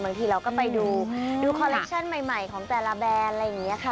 บางทีเราก็ไปดูคอลเลคชั่นใหม่ของแต่ละแบรนด์อะไรอย่างนี้ค่ะ